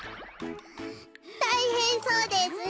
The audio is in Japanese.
たいへんそうですね。